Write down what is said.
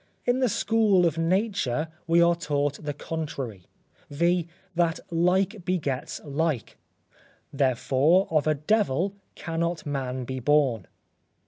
In the school of Nature we are taught the contrary, viz., that like begets like; therefore, of a devil cannot man be born.